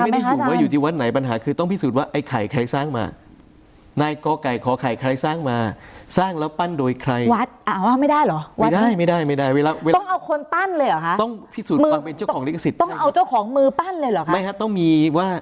มันไม่ได้อยู่ว่าอยู่ที่วัดไหนปัญหาคือต้องพิสูจน์ว่าไอ้ไข่ใครสร้างมา